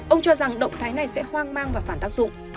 ông cho rằng động thái này sẽ hoang mang và phản tác dụng